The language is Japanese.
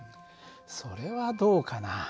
それはどうかな。